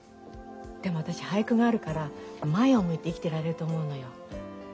でも私俳句があるから前を向いて生きてられると思うのよ。